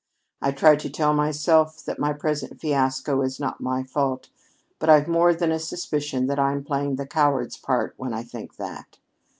I try to tell myself that my present fiasco is not my fault, but I've more than a suspicion that I'm playing the coward's part when I think that.